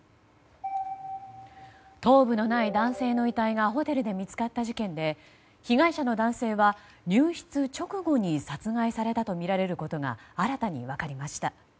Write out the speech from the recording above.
頭部のない男性の遺体がホテルで見つかった事件で被害者の男性は入室直後に殺害されたとみられることが新たに分かりました。